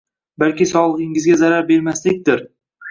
Balki sogʻligʻingizga zarar bermaslikdir